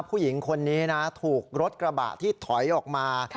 ผู้หญิงคนนี้นะถูกรถกระบะที่ถอยออกมา